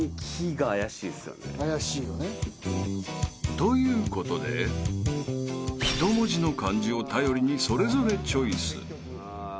［ということで一文字の漢字を頼りにそれぞれチョイス］